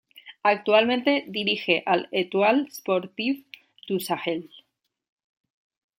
Actualmente dirige al Étoile Sportive du Sahel.